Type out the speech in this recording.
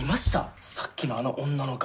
さっきのあの女の顔。